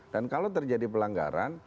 dan kalau terjadi pelanggaran